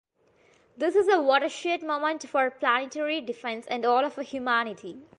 this is a watershed moment for planetary defense and all of humanity